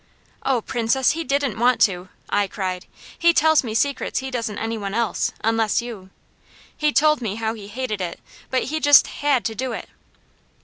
"Oh Princess, he didn't want to!" I cried. "He tells me secrets he doesn't any one else, unless you. He told me how he hated it; but he just had to do it."